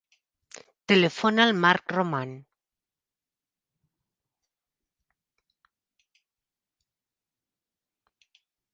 Telefona al Marc Roman.